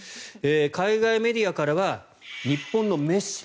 海外メディアからは日本のメッシ。